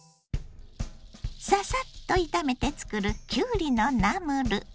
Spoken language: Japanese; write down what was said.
ササッと炒めてつくるきゅうりのナムル。